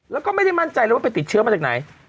แล้วก็ไม่ได้มั่นใจเลยว่าไปติดเชื้อมาจากไหน